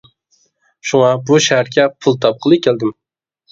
شۇڭا بۇ شەھەرگە پۇل تاپقىلى كەلدىم.